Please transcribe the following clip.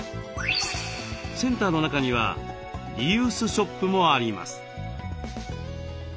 センターの中にはリユースショップもあります。